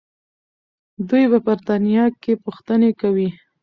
دوی په برتانیا کې پوښتنې کوي.